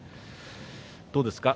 どうですか？